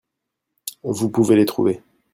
Vous pouvez les trouver.